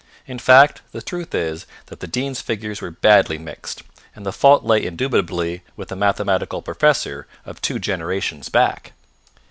In fact, the truth is that the Dean's figures were badly mixed, and the fault lay indubitably with the mathematical professor of two generations back.